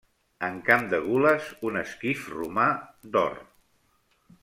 En camp de gules, un esquif romà, d'or.